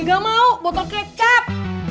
nggak mau botol kecap